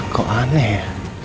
kok aneh ya